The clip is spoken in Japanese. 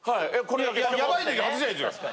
ヤバい時外せばいいじゃないですか。